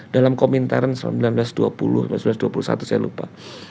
dalam komentaran seribu sembilan ratus dua puluh seribu sembilan ratus dua puluh satu saya lupa